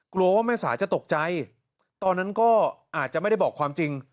กลัวว่าแม่สาจะตกใจตอนนั้นก็อาจจะไม่ได้บอกความจริง